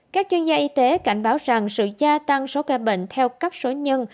các chuyên gia y tế cảnh báo rằng sự gia tăng số ca bệnh theo cấp số nhân